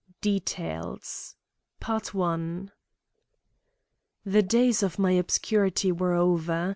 DETAILS The days of my obscurity were over.